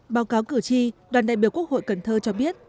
báo cáo cử tri đoàn đại biểu quốc hội cần thơ cho biết